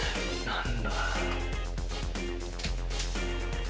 何だ？